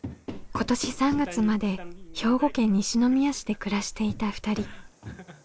今年３月まで兵庫県西宮市で暮らしていた２人。